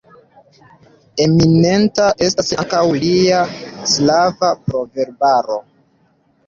Eminenta estas ankaŭ lia slava proverbaro.